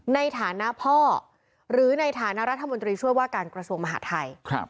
ในฐานะพ่อหรือในฐานะรัฐมนตรีช่วยว่าการกระทรวงมหาทัย